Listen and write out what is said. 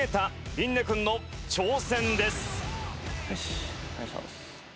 よしお願いします。